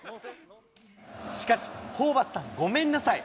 しかし、ホーバスさん、ごめんなさい。